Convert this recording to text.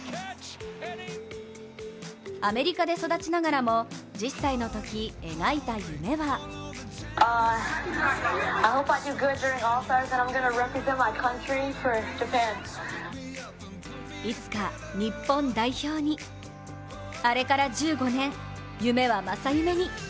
アメリカで育ちながらも１０歳のとき描いた夢はいつか日本代表にあれから１５年、夢は正夢に。